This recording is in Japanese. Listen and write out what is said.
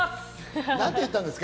何て言ったんですか？